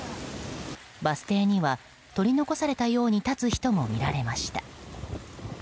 バス停には取り残されたように立つ人も見られました。